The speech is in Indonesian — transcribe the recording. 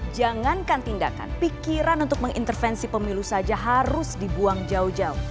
jangankan tindakan pikiran untuk mengintervensi pemilu saja harus dibuang jauh jauh